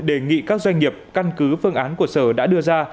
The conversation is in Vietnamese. đề nghị các doanh nghiệp căn cứ phương án của sở đã đưa ra